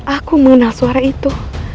aku mengenal suara itu